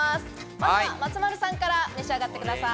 まずは松丸さんから召し上がってください。